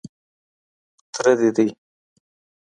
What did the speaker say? _تره دې دی.